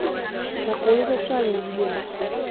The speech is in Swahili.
Nakuuza swali unjibu.